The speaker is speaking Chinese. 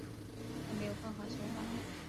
他没有办法说话